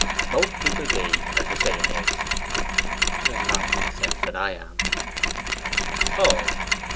'Most people be, as the saying is.' 'Not in the sense that I am.' 'Oh!...